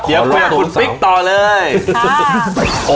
เยอะกว่าคุณปิ๊กต่อเลย